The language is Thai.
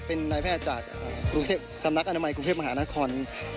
เป็นนายแพทย์จากกรุงเทพสำนักอนามัยกรุงเทพมหานคร